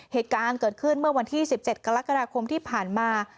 เหตุการณ์เกิดขึ้นเมื่อวันที่๑๗กรกฎาคมที่ผ่านมา